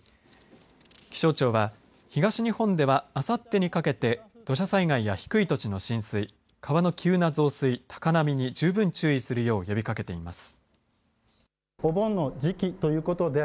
気象庁は東日本ではあさってにかけて土砂災害や低い土地の浸水川の急な増水、高波に十分、注意するよう呼びかけています。